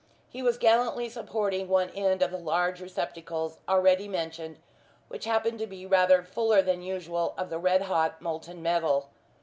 He was gallantly supporting one end of one of the large receptacles already mentioned, which happened to be rather fuller than usual of the red hot molten metal.